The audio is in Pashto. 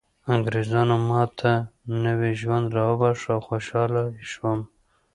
انګریزانو ماته نوی ژوند راوباښه او خوشحاله شوم